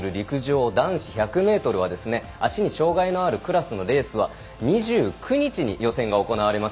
大島選手が出場する陸上男子１００ｍは脚に障がいのあるクラスのレースは２９日に予選が行われます。